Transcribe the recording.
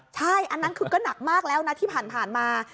ใช่อันนั้นคือก็หนักมากแล้วนะที่ผ่านมา